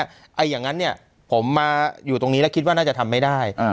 อย่างนั้นเนี่ยผมมาอยู่ตรงนี้แล้วคิดว่าน่าจะทำไม่ได้